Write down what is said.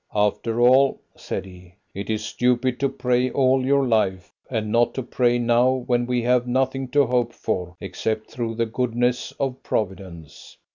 "After all," said he, "it is stupid to pray all your life, and not to pray now when we have nothing to hope for except through the goodness of Providence."